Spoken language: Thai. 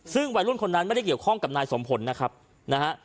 ซึ่งวัยรุ่นคนนั้นไม่ได้เกี่ยวข้องกับนายสมผลนะครับนะฮะ